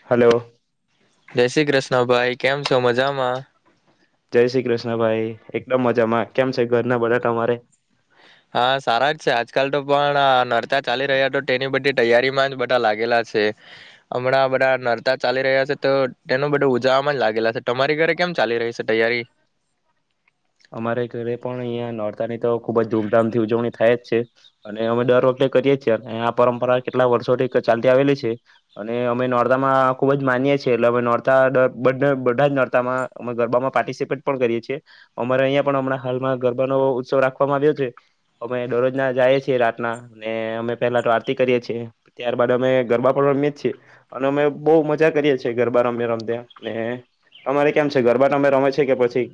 Hello જય શ્રી કૃષ્ણ ભાઈ કેમ છો મજામાં. જય શ્રી કૃષ્ણ ભાઈ એકદમ મજામાં કેમ છે ઘરના બધા તમારે. હા સારા જ છે આજકાલ તો પણ નરતા ચાલી રહ્યા તો તેની બધી તૈયારીમાં જ બધા લાગેલા છે હમણાં બધા નરતા ચાલી રહ્યા છે તો તેનું બધું ઉજવમાં જ લાગેલા છે તમારી ઘરે કેમ ચાલી રહી છે તૈયારી. અમારે ઘરે પણ અહંયા નોરતા ની તો ખુબ જ ધૂમધામ થી ઉજવણી થાય જ છે અને અમે દર વખતે કરીએ છીએ આ પરંપરા કેટલા વર્ષોથી ચાલતી આવેલી છે અને અમે નોડદામાં ખુબ જ માનીએ છીએ એટલે અમે નોરતા બધા જ નોરતામાં અમે ગરબામાં પાર્ટિસિપેટ પણ કરીએ છીએ. અમારે અહિયાં પણ હમણાં હાલમાં ગરબાનો ઉત્સવ રાખવામાં આવ્યો છે અમે દરરોજ ના જઈએ છીએ રાતના અનેને અમે પેલા તો આરતી કરીએ છીએ ત્યારબાદ અમે ગરબા પણ રમીએ છીએ અને અમે બહઉ મજા કરીએ છીએ ગરબા રમ્યા રમતા ને તમારે કેમ છે ગરબા અમે રમે છીએ કે પછી.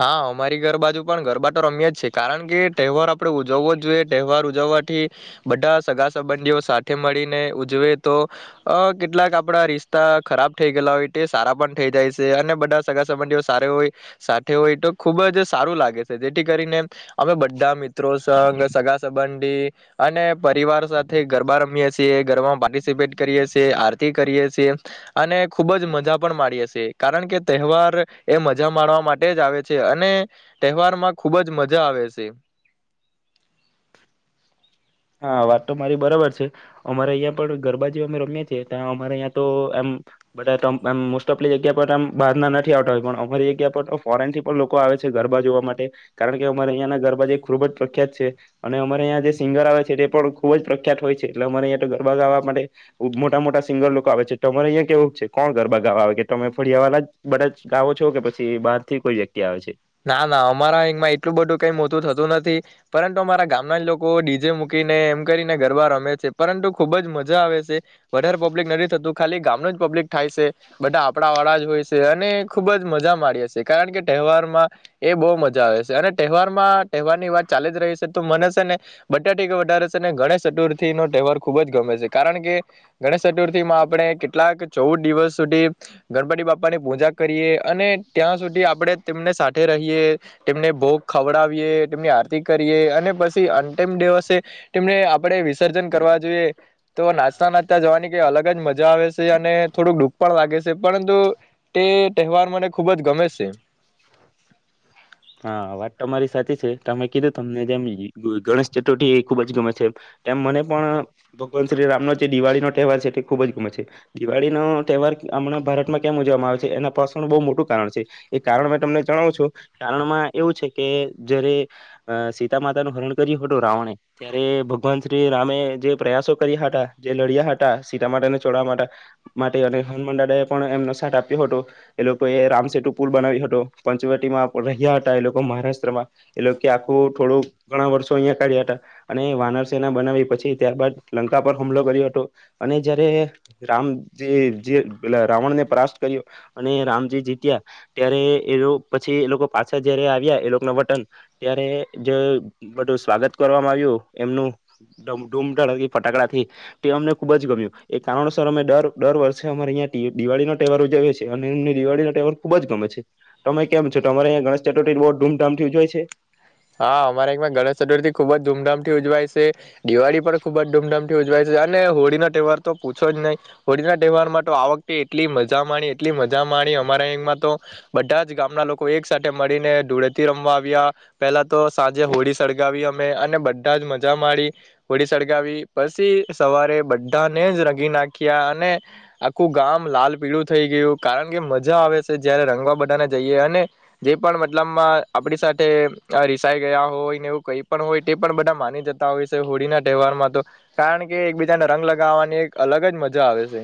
હા અમારી ઘર બાાજુ પણ ગરબાતો રમ્યા જ છે. કારણ કે તહેવાર આપડે. જોવો જોઈએ તહેવાર ઉજવવાથી બધા સગા સંબંધીઓ સાથે મળીને ઉજવે તો અ કેટલાક આપણા રિશતા ખરાબ થઈ ગયેલા હોય તે સારા પણ થઈ જાય છે અને બધા સગા સંબંધીઓ સારી હોય સારા હોય તો ખુબ જ સારું લાગે છે જેથી કરીને અમે બધા મિત્રો સઘ સગા સંબંધી અને પરિવાર સાથે ગરબા રમીએ છીએ ગરબામાં પાર્ટિસિપેટ કરીએ છીએ આરતી કરીએ છીએ અને ખુબ જ મજા પણ માણીએ છએ કારણ કે તહેવાર એ મજા માણવા માટે. જ આવે છે અને તહેવારમાં ખુબ જ મજા આવે છે. હા વાત તો મારી બરાબર છે અમારે અહીં પણ ગરબા જે અમે રમએ છીએ ત્યા અમારે અહીંયા તો એ બધા મ મોસ્ટ ઓફલી જગ્યા પરમ બહાર ના નથી આવતા હોય પણ અમારી જગ્યા પર તો ફોરેન થી પણ લોકો આવે છે ગરબા જોવા માટે કારણ કે અમારે અહં ના ગરબા જે ખુબ જ પ્રખ્યાત છે અને અમારે અહીંયા જે સિંગર આવે છે. એ પણ ખુબ જ પ્રખ્યાત હોય છે એટલે અમારે અહંયા તો ગરબા ગાવા માટે મોટા મોટા સિંગર લોકો આવે છે તોરે અહંયા કેવું છે કોણ ગરબા ગાવા આવે કે તમે ફળિયા વાળા બધા જ ગાઓ છો કે પછી બહાર થી કોઈ વ્યક્તિ આવે છે. ના ના અમારા અંમાં એટલું બધું કઈ મોટું થતું નથી પરંતુ અમારા ગામના જ લોકો ડીજે મૂકીને એમ કરીને ગરબા રમે છે પરંતુ ખુબ જ મજા આવે છે વધારે પબ્લિક નથી થતું ખાલી ગામનું જ પબ્લિક થાય છે બધા આપણા વાળા જ હોય છે અને ખુબ જ મજા માડી છે કારણ કે તહેવારમાં. એ બહુ મજા આવે છે અને તહેવારમાં તહેવારની વાત ચાલી જ રહી છે તો મને છે ને બટા ટકા વધારે છે ને ગણેશ ચતુર્થી નો તહેવાર ખુબ જ ગમે છે કારણ કે ગણેશ ચતુર્થી માં આપણે કેટલાક ચૌદ દિવસ સુધી ગણપતિ બાપાની પૂજા કરીએ અને ત્યાં સુધી આપણે તેમને. રહીએ તેમને ભોગ ખવડાવીએ તેમની આરતી કરીએ અને પછી અંતિમ દિવસે તેમને આપણે. વિસર્જન કરવા જોઈએ. તો નાચતા નાચતા જવાની કઈ અલગ જ મજા આવે છે, અને થોડુંક ડુખ પણ લાગે છે, પરંતુ તે તહેવાર મને ખુબ જ ગમે છે. હા વાત તો તમારી સાચી છે, તમે કીધું તમને જેમ ગણેશ ચતુર્થી એ ખુબ જ ગમે છે, તેમ મને પણ ભગવાન શ્રી રામનો જે દિવાળી નો તહેવાર છે, તે ખૂબ જ ગમે છે, દિવાળી નો તહેવાર હમણાં ભારતમાં કેમ ઉજવામાં આવે છે એના પાસણ બહુ મોટું કારણ છે, એ કારણ મેં તમને જણાવ છો કારણમાં એવું છે, કે જયારે અ સીતા માતાનું હરણ કર્યું હતું રાવણે ત્યારે ભગવાન શ્રી રામે જે પ્રયાસો કર્યા હતા જે લડ્યા હતા સીતા માતાને ચોડવા માટે માટે અને હનુમાનદાદા એ પણ એમનો સાથ આપ્યો હતો એ લોકોએ રામસેેટુ પુલ બનાવ્યો હતો પંચવટીમાં મહારાષ્ટ્રમાં એ લોકો આખું થોડું ઘણા વર્ષો અહિયાં કાઢ્યા હતા અને વાનર સના બનાવી પછી ત્યારબાદ લંકા પર હમલો કર્યો હતો અને જયારે રામજી રાવણને પ્રસ્ત કર્યો અને રામજી જીત્યા ત્યારે એ પછી એ લોકો પાછા જયારે આવ્યા એ લોકો ના વટન ત્યારે જે બધું સ્વાગત કરવામાં આવ્યું એમનુ ફટાકડા થી તે અમને ખુબ જ ગમ્યું એ કારણોસર અમે દર દર વર્ષે અમારે અં દિવાળી નો તહેવાર ઉજવ્યો છે, અને એમને દિવાળી નહેવાર ખુબ જ ગમે છે તમે કેમ છો તમારે અં ગણેશ ચતુર્થી બહુ ધૂમધામથી ઉજ્વયે છે. હા અમારે એકમાં ગણેશ ચતુર્થી ખુબ જ ધૂમધામ ઉજવાય છે, દિવાળી પણ ખુબ જ ધૂમધમથી ઉજવાય છે, અને હોળીનો તહેવાર તો પૂછો જ નહીં હોળી ના તહેવારમાં તો આ વખતે એટલી મજા માણી એટલી મજા માણી અમારા અંમાં તો બધા જ ગામના લોકો એક સાથે મળીને ધૂળેથી રમવા આવ્યા પહેલા તો તો સાંજે હોળી સળગાવી મે અને બધા જ મજા માડી હોળી સળગાવી પછી સવારે બધાને જ રંગી નાખ્યા અને આખું ગામ લાલ પીળું થઈ ગયું કારણ કે મજા આવે છે, જયારે રંગવા બધાને જઈએ અને જે પણ મતલબમાં આપડી સાથે આ રીસાઈ ગયા હોય ને એવું કઈ પણ હોય તે પણ બધા માની જતા હોય છે, હોળી ના તહેવારમાં તો કારણ કે એકબીજાને રંગ લગાવવાની એક અલગ જ મજા આવે છે.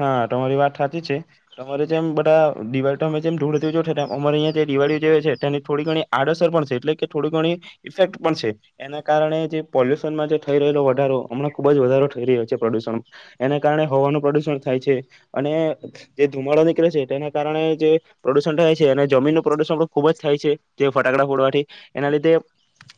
હા તમારી વાત હાચી જ છે તમારે જેમ બધા દિવાળી તમે જેમ ધૂળ જો અમારે અહીંયા જે દિવાળીઓ જે છે તેની થોડી ઘણી આડઅસર પણ છે એટલે કે થોડી ઘણી ઈફેક્ટ પણ છે એના કારણે જે પોલ્યુશનમાં જે થઈ રહેલો વધારો હમણાં ખુબ જ વધારો થઈ રહ્યો છે પ્રદુષણ એના કારણે હવાનું પ્રદુષણ થાય છે અને જે ધુમાડો નીકળે છે તેના કારણે જે પ્રદુષણ થાય છે અને જમીનનું પ્રદુષણ પણ ખુબ જ થાય છે, જે ફટાકડા ફોડવાથી એના લીધે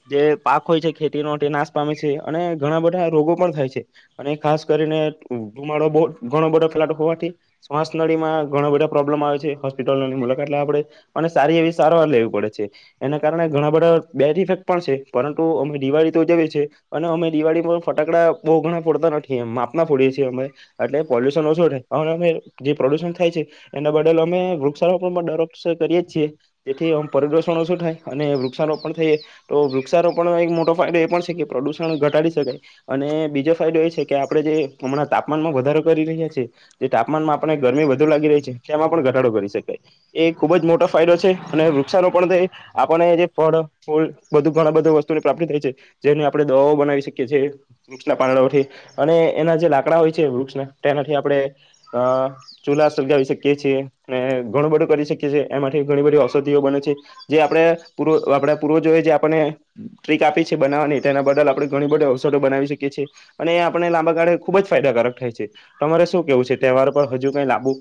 જે પાક હોય છે ખેતીનો તે નાશ પામે છે અને ઘણા બધા રોગો પણ થાય છે અને ખાસ કરીને ધુમાડો બહ ઘણો બધો ધુમાડો હોવાથી શ્વાસ નળીમાં ઘણા બધા પ્રોબ્લેમ આવે છે હોસ્પિટલોની મુલાકાત લેવા આપડે અને સારી એવી સારવાર લેવી પડે છે એના કારણે ઘણા બધા બેડ ઇફેક્ટ પણ છે પરંતુ અમે દિવાળી તોજએ છીએ અને અમે દિવાળીમાં ફટાકડા બહુ ઘણા ફોડતા નથી એ માપમાં ફોડીએ છીએ અમે એટલે પોલ્યુશન ઓછું થાય હ અમે જે પ્રદુષણ થાય છે એના બદલ અમે વૃક્ષારોપણ પણ દરવર્ષે કરીએ છીએ જેથી પરદુષણ ઓછું થાય અને વૃક્ષારોપણ થઈએ તો વૃક્ષારોપણનો એક મોટો ફાયદો એ પણ છે કે પ્રદુષણ ઘટાડી શકાય અને બીજો ફાયદો એ છે કે આપણે જે હમણાં તાપમાનમાં વધારે તાપમાનમાં આપણે ગરમી વધુ લાગી રહી છે એમાં પણ ઘટાડો કરી શકાય એ ખુબ જ મોટો ફાયદો છે અને વૃક્ષનો પણ આપને જે ફળ ફૂ બધું ઘણા બધા વસ્તુની પ્રાપ્તિ થાય છે જેની આપણે દવાઓ બનાવી શકીએ છેએ વૃક્ષના પાંદડાથી અને એના જે લાકડા હોય છે વૃક્ષ તેનાથી આપણે અ ચૂલા સલગાવી શકીએ છીએ ને ઘણું બધું કરી શકીએ છીએ એમાંથી ઘણી બધી ઔષધિઓ બને છે જે આપણે પૂર્ એ આપણા પૂર્વજોએ જે આપણે ટ્રીક આપી છે, બનાવવાની તેના બદલ આપણેે ઘણી બધી ઔષધિ બનાવી શકીએ છીએ અને એ આપણે લાંબા ગાળે ખુબ જ ફાયદાકારક થાય છે. તમારે શું કેવું છે, તહેવાર પર હજુ કઈ લાબુ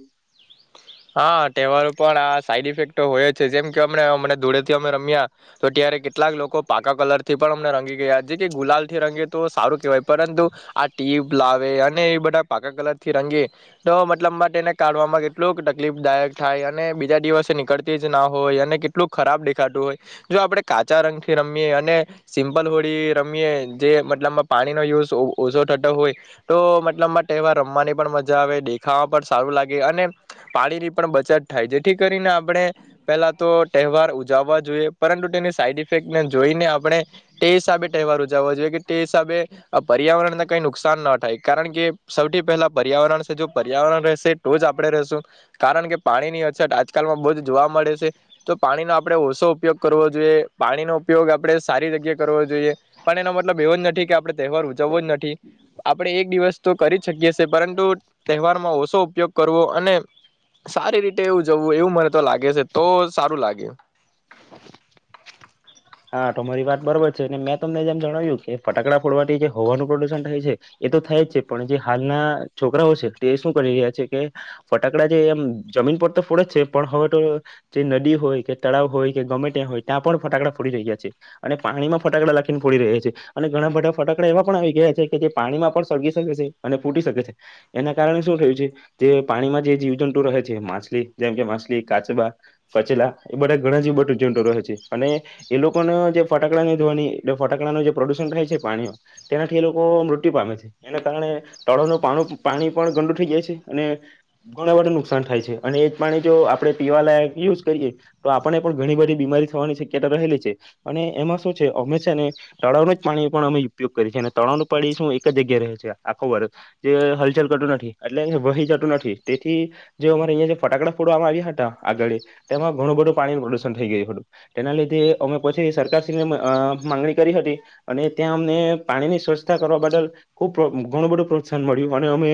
હા તહેવાર પણ આ આડઅસર હોય છે, જેમ કે અમને ધૂળે થી અમે રમ્યા તો ત્યારે કેટલાક લોકો પાકા કલર થી પણ અમને રંગી ગયા જે કે ગુલાલ થી રંગી તો સારું કેહેવાય પરંતુ આ ટીપ લાવે અને એ બધા પાકા કલર થી રંગે તો મતલબ અને કાઢમાં કેટલુંક દાયક થાયે અને બીજા દિવસે નીકળતી જ ના હોય અને કેટલું ખરાબ દેખાતું હોય જો આપણે કાચા રંગથી રમીએ અને સિમ્પલ હોળી રમીએ જે મતલબમાં પાણીનો યુઝ ઓછો થતો હોય તો મતલબમાં તહેવાર રમવાની પણ મજા આવે દેખાવા પણ સારું લાગે અને પાણી ની પણ બચત થાય જેથી કરીને આપણે પેલા તો તહેવાર ઉજવવા જોઈએ પરંતુ તેની આડઅસરને જોઈને આપણે તે હિસાબે તહેવાર ઉજવવા જોઈએ કે તે હિસાબે આ પર્યાવરણને કઈ નુકસાન ન થાય કારણ કે સૌથી પહેલા પર્યાવરણ છે જો પર્યાવરણ રહેશે તો જ આપડણે રશું કારણ કે પાણીની અછત આજકાલમાં બહુ જ જોવા મળે છે, તો પાણીનો આપણે ઓછો ઉપયોગ કરવો જોઈએ પાણીનો ઉપયોગ આપડણે સારી જગ્યા કરવો જોઈએ પણ એના માટે મતબવ જ નથી કે આપણે તહેવાર ઉજવો જ નથી આપણે એક દિવસ તો કરી જ શકીએ છીએ પરંતુ તહેવારમાં ઓછો ઉપયોગ કરવો અને સારી રીતે એવું જવું એવું મને તો લાગે છે, તો સારું [unintelligible] હા તો મારી વાત બરોબર છે, અને મેં તમને જેમ જણાવ્યું કે ફટાકડા ફોડવાથી જે હવાનું પ્રદુષણ થાય છે, એ તો થાય જ છે, પણ જે હાલના છોકરાઓ છે, તે શું કરી રહ્યા છે, કે ફટાકડા જે એમ જમીન પર તો ફોડે જ છે, પણ હવે તો જે નદી હોય કે તળાવ હોય કે ગમે ત્યાં હોય ત્યાં પણ ફટાકડા અને પાણીમાં ફટાકડા લખીને ફોડી રહ્યા છે, અને ઘણા બધા ફટાકડા એવા પણ આવી ગયા છે, કે જે પાણીમાં પણ સળગી શકે છે, અને ફૂટી શકે છે, એના કારણે શું થયું છે, જે પાણીમાં જે જીવજંતુ રહે છે, માછલી જેમ કે માછલી કાચબા કચેલા એ બધા ઘણા જીવ [unintelligible] રહે છે, અને એ લોકોને જે ફટાકડા ધોવાની એ ફટાકડાનું જે પ્રદુષણ થાય છે, પાણી તેનાથી એ લોકો મૃત્યુ પામે છે, એના કારણે તળોનું પા પાણી પણ ગડુ થઈ જાય છે, અને ઘણવારું નુકસાન થાય છે, અને એ જ પાણી જો આપણે પીવાલાયક યુઝ કરીએ તો આપણને પણ ઘણી બધી બીમારી થવાની શક્યતા રહેલી છે. એમાં શ અમે છે, ને તળાવનું જ પાણી પણ અમે ઉપયોગ કરી છે, અને તળાવનું પાણી શું એક જગ્યા રહે છે, આખો વર્ગ જે હલચલ કરટું નથી એટલે વહી જતું નથી તેથી જે અમારે અહિયાયા જે ફટાકડા ફોડવામાં આવ્યા હતા આગળ તેમાં ઘણું બધું પાણીનું પ્રદુષણ થઈ ગયું હતું તેના લીધે અમે પછી સરકારશ્રીને માંગણી કરી હતી અને ત્યાં અમને પાણીની સ્વચ્છતા કરવા બદલ ખુબ ઘણું બધું પ્રોત્સાહન મળ્યું અને અમે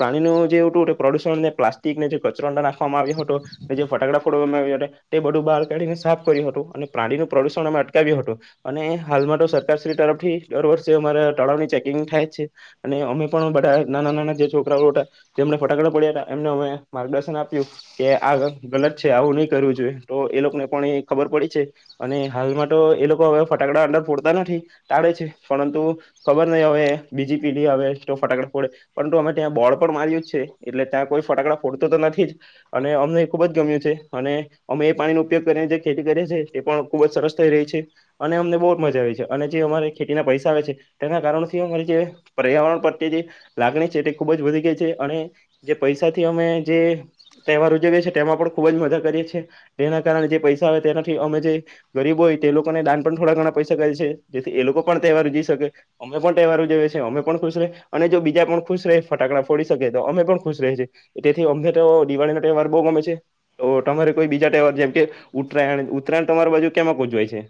પાણીનું જેવ હતું પ્રદુષણને પ્લાસ્ટિકને જે કચરો ના નાખવામાં આવ્યો હતો જે ફટાકડા ફોડવામાં આવ્યા હતા તે બધું બહાર કાઢીને સાફ કર્યું હતું અને પ્રાણીનું પ્રદુષણ અમે અટકાવ્યું હતું અને હાલમાં તો સરકારશ્રી તરફથી દર વર્ષે અમારા તળાવની ચેકિંગ થાય છે, અને અમે પણ બધા નાના નાના જે છોકરાઓ હતા જેમને ફટાકડા પડ્યા હતા એમને અમે માર્ગદર્શન આપ્યું કે આ ગલત છે. અને હાલમાં તો એ લોકો હવે ફટાકડા અંડર ફોડતા નથી ટાળે છે, પરંતુ ખબર નહ હવે બીજી પીઢી હવે તો ફટાકડા ફોડે પરંતુ અમે ત્યાં બોળ પણ માર્યું જ છે, એટલે ત્યાં કોઈ ફટાકડા ફોડતો તો નથી જ અને અમને ખુબ જ ગમ્યું છે, અને અમે એ પાણી ન ઉપયોગ કરી જે ખેતી કરીએ છીએ એ પણ ખૂબ જ સરસ થઈ રહી છે, અને અમને બહુ જ મજા આવે છે, અને જે અમારે ખેતીના પૈસા આવે છે, તેના કારણથી અમારી જે પર્યાવરણ પ્રત્યે જે લાગણી છે, તે ખૂબ જ વધી ગઈ છે, અને જે પૈસાથી અમે જે તહેવાર ઉજવીએ છીએ તેમાં પણ ખૂબ જ મદદ કરીએ છીએ તેના કારણે જે પૈસા આવે તેનાથી અમે ગરીબ હોય તે લોકોને દાન પણ થોડા ઘણા પૈસા કરે છે, જેથી એ લોકો પણ તહેવાર જઈ શકે અમે પણ તહેવારજએ છે, અમે પણ ખુશ ર અને જો બીજા પણ ખુશ રહે ફટાકડા ફોડી શકે તો અમે પણ ખુશ ર છે, તેથી અમે તો દિવાળી ન તહેવાર બહુ ગમે છે, તો તમારે કોઈ બીજા તહેવાર જેમ કે ઉત્તરાયણ ઉત્તરાયણ તમારી બાજુ [unintelligible] છે.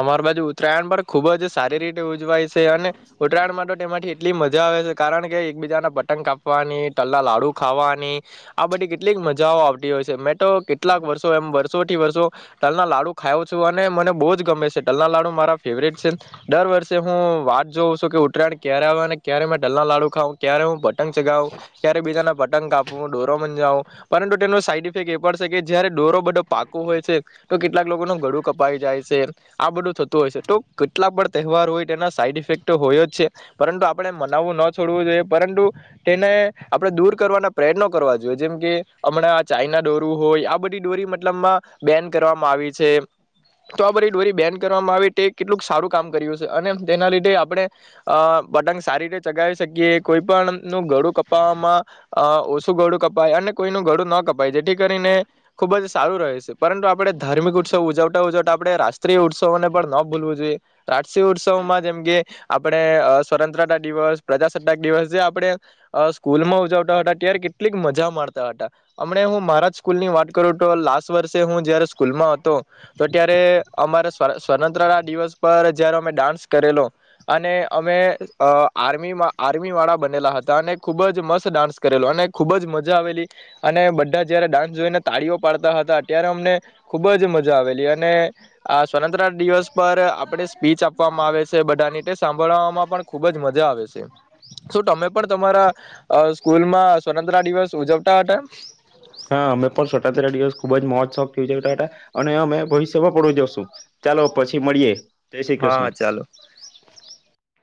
અમાર બાજુ ઉત્તરાયણ પણ ખુબ જ સારી રીતે ઉજવાય છે. અને ઉત્તરાયણ માટે તેમાંથી કેટલી મજા આવે છે, કારણ કે એકબીજાના પતંગ કાપવાની તલના લાડુ ખાવાની આ બધી કેટલીક મજાઓ આવતી હોય છે, મેં તો કેટલાક વર્ષો એમ વર્ષો થી વર્ષો તલના લાડુ ખાયાવ છું અને મને બહુ જ લના લડુ ફવ છે, દર વર્ષે હું વાત જોઉં છું કે ઉત્તરાયણ ક્યારે આવે અને ક્યારેલના લાડુ ખાવ ક્યારે હ પંગ ચગાવ ક્યારે બીજાના પતંગ કા ડોરો મંજાવો પરંતુ તેનો [unintelligible] એ પડશે કે જયારે ડોરો બધો પાકો હોય છે, તો કેટલાક લોકો [unintelligible] કપાઈ જાય છે. આ બધું થતું હોય છે તો કેટલા પણ તહેવાર હોય તેના સાઈડ ઇફેક્ટ હોય જ છે, પરંતુ આપણે મનાવવું ન છોડવું જોઈએ પરંતુ તેને આપણે દૂર કરવાના પ્રયત્નો કરવા જોઈએ જેમ કે હમણાં ચાઈના દોરું હોય આ બધી ડોરી મતલબમાં બેન કરવામાં આવી છે, તો ડોરી બેન કરવામાં આવે તે કેટલુંક સારું કામ કર્યું છે, અને તેના લીધે આપણે બટંગ સારી રીતે ચગાવી શકીએ કોઈ પણ નું ગળું કપવામાં અ ઓછું ગળું કપાય અને કોઈનું ગળું ન કપાય જેથી કરીને ખુબ જ સારું રહે છે, પરંતુ આપણે ધાર્મિક ઉત્સવ ઉજવતા ઉજવ આપણે રાષ્ટ્રીય ઉત્સવોને પણ ન ભૂલવું જોઈએ રાષ્ટ્રીય ઉત્સવમાં જેમકે આપણે સ્વતંત્રતા દિવસ પ્રજાસત્તાક દિવસ જે આપણે સ્કૂલમાં ઉજવતા હતા ત્યારે કેટલીક મજા માણતા હતા અમને હું મારા જ સ્કૂલ ની વાત કરું તો લ્ટ. વર્ષે હું જયારે સ્કૂલમાં હતો તો ત્યારે અમારે સ્વતંત્ર દિવસ પર જયારે અમે ડાન્સ કરેલો. અને અમે આર્મીમાં આર્મીવાળા બનેલા હતા અને ખૂબ જ મસ્ત ડાન્સ કરેલો અને ખૂબ જ મજા આવેલી અને બ. જયારે ડાન્સ જોઈને તાળીઓ પાડતા હતા ત્યારે અમને ખુબ જ મજા આવેલી અને આ સ્વતંત્ર દિવસ પર આપણે સ્પીચ આપવામાં આવે છે, બધાની સાંભળવામાં પણ ખુબ જ મજા આવે છે, શ તમે પણ તમારા સ્કૂલમાં સ્વતંત્ર દિવસ ઉજ [inaudible] હા અમે પણ [unintelligible] દિવસ ખુબ જ મોજ શોખ થય છેાટા અને અમે ભવિષ્યમાં પડું જશું ચાલો પછી મળીયે. હા હા ચાલો.